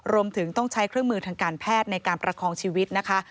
รวมถึงต้องใช้เครื่องมือทางการแพทย์ในการประคองชีวิตนะคะ